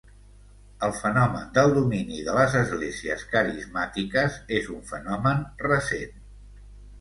El fenomen del domini de les esglésies carismàtiques és un fenomen recent.